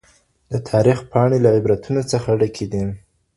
د تاريخ پاڼې له عبرتونو څخه ډکې دي.